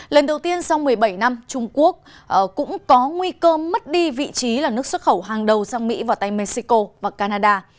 lần đầu tiên sau một mươi bảy năm trung quốc cũng có nguy cơ mất đi vị trí là nước xuất khẩu hàng đầu sang mỹ vào tây mexico và canada